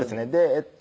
えっと